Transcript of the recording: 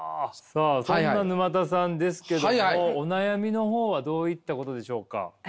さあそんな沼田さんですけどもお悩みの方はどういったことでしょうか。